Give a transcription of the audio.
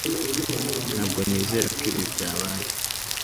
Ntabwo nizera ko ibi byabaye